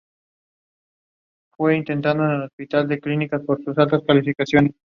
Los videos de cada actuación se han publicado en la página web de Beck.